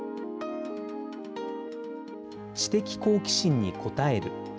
知的好奇心に応える。